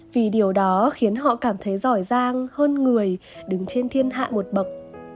vì điều đó khiến họ cảm thấy giỏi giang hơn người đứng trên thiên hạ một bậc